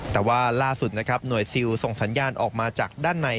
แต่ว่าล่าสุดนะครับหน่วยซิลส่งสัญญาณออกมาจากด้านใน